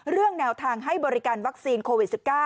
เรื่องแนวทางให้บริการวัคซีนโควิด๑๙